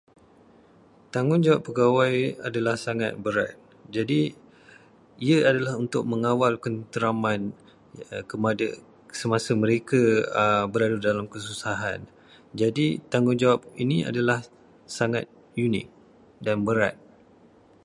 Tanggungjawab pegawai adalah sangat berat. Jadi, ia adalah untuk mengawal ketenteraman kepada- semasa mereka berada dalam kesusahan. Jadi tanggungjawab ini adalah sangat unik dan berat.